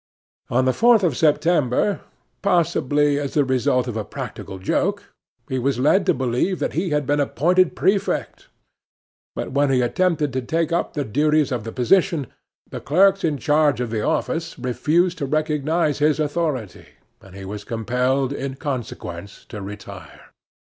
On the fourth of September possibly as the result of a practical joke he was led to believe that he had been appointed prefect; but when he attempted to take up the duties of the position the clerks in charge of the office refused to recognize his authority, and he was compelled in consequence to retire.